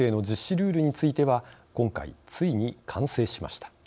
ルールについては今回ついに完成しました。